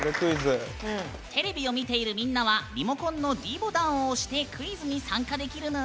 テレビを見ているみんなはリモコンのｄボタンを押してクイズに参加できるぬーん！